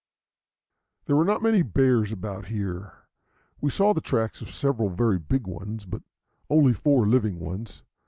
There were not many bears about here. We saw the tracks of several very big ones, but only four living ones.